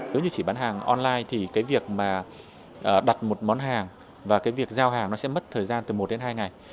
nếu như chỉ bán hàng online thì việc đặt một món hàng và giao hàng sẽ mất thời gian từ một đến hai ngày